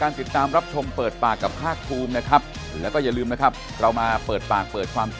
เรียบร้อยค่ะ